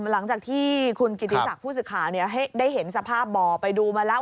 หลังจากที่คุณกิติศักดิ์ผู้สื่อข่าวได้เห็นสภาพบ่อไปดูมาแล้ว